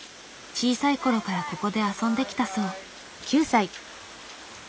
小さい頃からここで遊んできたそう。